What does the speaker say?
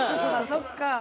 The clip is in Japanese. そっか。